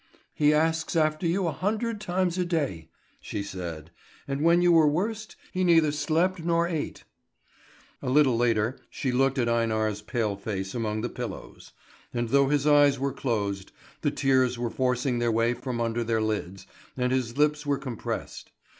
"He asks after you a hundred times a day," she said; "and when you were worst, he neither slept nor ate." A little later she looked at Einar's pale face among the pillows; and though his eyes were closed, the tears were forcing their way from under their lids, and his lips were compressed.